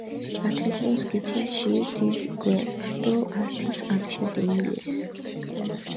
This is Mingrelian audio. ათე დროს გითილჷ ჟირი დიდი გვერქჷ დო ართი წყარიშა დინილესჷ.